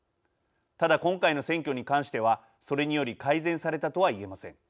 ただ、今回の選挙に関してはそれにより改善されたとは言えません。